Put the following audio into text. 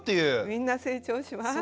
みんな成長します。